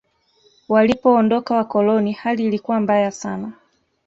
walipoondoka wakoloni hali ilikuwa mbaya sana